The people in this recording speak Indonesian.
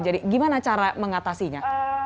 jadi gimana cara mengatasinya